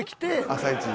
朝イチで。